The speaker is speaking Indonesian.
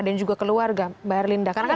dan juga keluarga mbak elinda karena